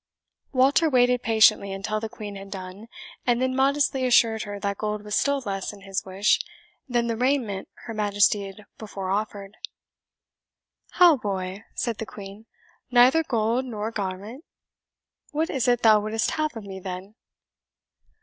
Walter waited patiently until the Queen had done, and then modestly assured her that gold was still less in his wish than the raiment her Majesty had before offered. "How, boy!" said the Queen, "neither gold nor garment? What is it thou wouldst have of me, then?"